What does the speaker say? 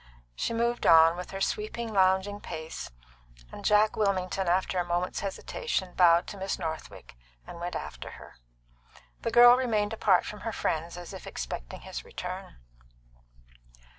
She moved on, with her sweeping, lounging pace, and Jack Wilmington, after a moment's hesitation, bowed to Miss Northwick and went after her. The girl remained apart from her friends, as if expecting his return.